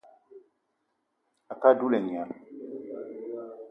A ke á dula et nya